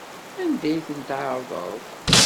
Anda ay ten-tɛerḍeḍ?